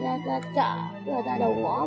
d acc accident xây lại nei